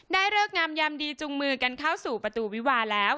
เลิกงามยามดีจุงมือกันเข้าสู่ประตูวิวาแล้ว